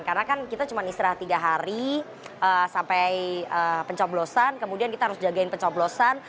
karena kan kita cuma istirahat tiga hari sampai pencoblosan kemudian kita harus jagain pencoblosan